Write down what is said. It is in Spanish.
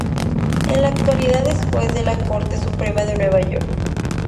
En la actualidad es juez de la Corte Suprema de Nueva York.